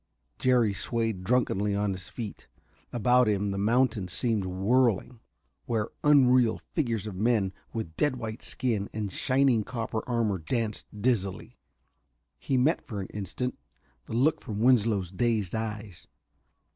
Jerry swayed drunkenly on his feet. About him the mountains seemed whirling, where unreal figures of men with dead white skin and shining copper armor danced dizzily. He met for an instant the look from Winslow's dazed eyes.